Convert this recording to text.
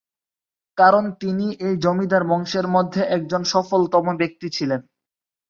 কারণ তিনি এই জমিদার বংশের মধ্যে একজন সফলতম ব্যক্তি ছিলেন।